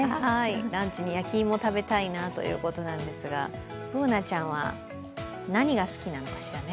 ランチに焼き芋食べたいなということですが、Ｂｏｏｎａちゃんは何が好きなのかしらね。